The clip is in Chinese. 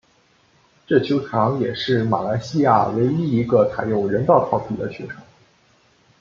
这球场也是马来西亚唯一一个采用人造草皮的球场。